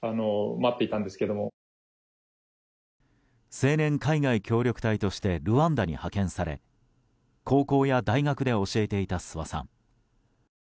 青年海外協力隊としてルワンダに派遣され高校や大学で教えていた諏訪さん。